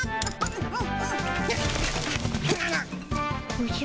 おじゃ？